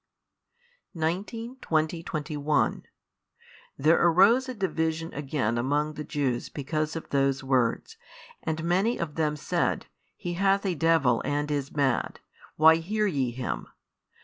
19, 20, 21 There arose a division again among the Jews because of those words. And many of them said, He hath a devil and is mad: why hear ye Him?